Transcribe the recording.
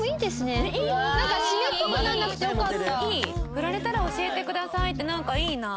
「フラれたら教えてください」ってなんかいいな。